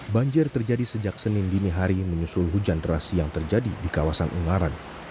banjir terjadi sejak senin dini hari menyusul hujan deras yang terjadi di kawasan ungaran